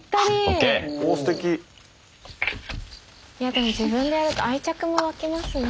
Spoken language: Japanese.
でも自分でやると愛着もわきますね